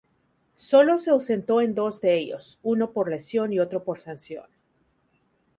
Sólo se ausentó en dos de ellos, uno por lesión y otro por sanción.